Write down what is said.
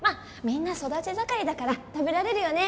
みんな育ち盛りだから食べられるよね